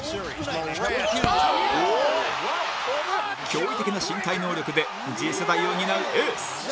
驚異的な身体能力で次世代を担うエース